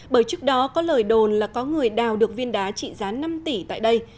bởi trước đó có lời đồn là có người đào được viên đá trị giá năm tỷ tại đây